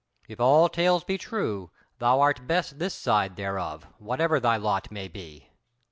If all tales be true thou art best this side thereof, whatever thy lot may be."